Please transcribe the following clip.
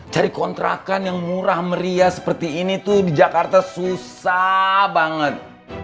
cari kontrakan yang murah meriah seperti ini tuh di jakarta susah banget